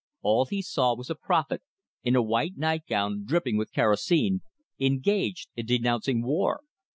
All he saw was a prophet, in a white nightgown dripping with kerosene, engaged in denouncing war!